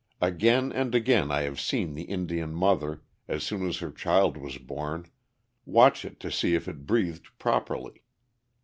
Again and again I have seen the Indian mother, as soon as her child was born, watch it to see if it breathed properly.